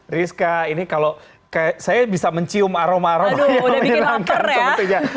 rizka ini kalau saya bisa mencium aroma aroma yang menyenangkan sebetulnya